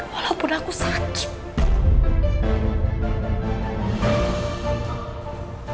walaupun aku sakit